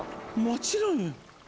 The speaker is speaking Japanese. もちろんよ。